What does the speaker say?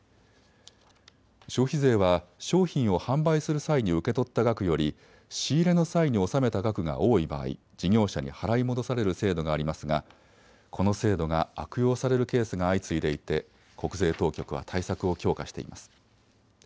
消費税は商品を販売する際に受け取った額より仕入れの際に納めた額が多い場合、事業者に払い戻される制度がありますがこの制度が悪用されるケースが相次いでいて国税当局は対策を強化しています。